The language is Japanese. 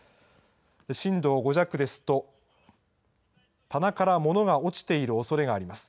震度５弱ですと、棚から物が落ちているおそれがあります。